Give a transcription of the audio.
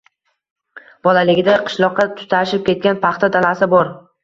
Bolaligida qishloqqa tutashib ketgan paxta dalasi bor.